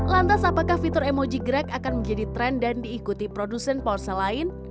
lantas apakah fitur emoji gerak akan menjadi tren dan diikuti produsen ponsel lain